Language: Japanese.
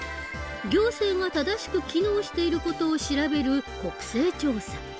行政が正しく機能している事を調べる国政調査。